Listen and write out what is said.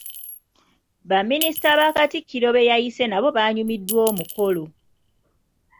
Baminisita Katikkiro be yayise nabo baanyumiddwa omukolo.